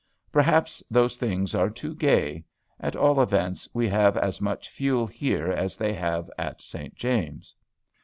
Perhaps those things are too gay, at all events, we have as much fuel here as they have at St. James's.